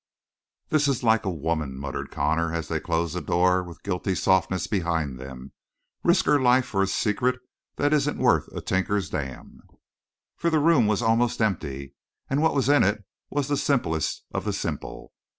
"This is like a woman," muttered Connor, as they closed the door with guilty softness behind them. "Risk her life for a secret that isn't worth a tinker's damn!" For the room was almost empty, and what was in it was the simplest of the simple.